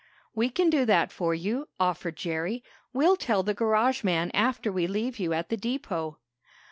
"We can do that for you," offered Jerry. "We'll tell the garage man after we leave you at the depot."